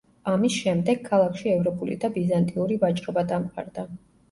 ამის შემდეგ, ქალაქში ევროპული და ბიზანტიური ვაჭრობა დამყარდა.